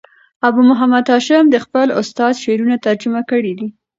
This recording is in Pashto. ابو محمد هاشم دخپل استاد شعرونه ترجمه کړي دي.